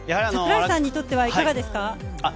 櫻井さんにとってはいかがですか？